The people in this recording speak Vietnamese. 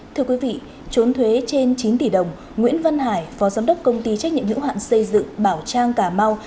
thưa quý vị trốn thuế trên chín tỷ đồng nguyễn văn hải phó giám đốc công ty trách nhiệm hữu hạn xây dựng bảo trang cà mau